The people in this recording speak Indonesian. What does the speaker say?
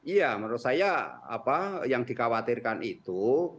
iya menurut saya apa yang dikhawatirkan itu